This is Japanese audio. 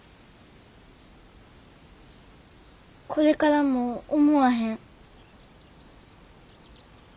これからも思わへん。